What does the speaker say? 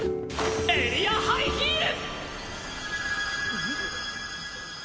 エリアハイヒール！